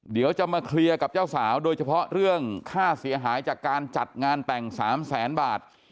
เดี๋ยวจะมาเคลียร์กับเจ้าสาวโดยเฉพาะเรื่องค่าเสียหายจากการจัดงานแต่ง๓แสนบาท